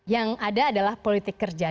yang ada adalah politik kerja